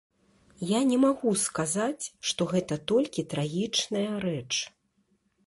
І не магу сказаць, што гэта толькі трагічная рэч.